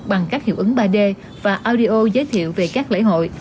bằng các hiệu ứng ba d và audio giới thiệu về các lễ hội